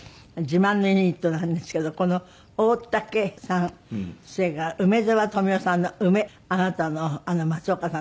自慢のユニットなんですけどこの大竹さんそれから梅沢富美男さんの「梅」あなたの「松岡さん」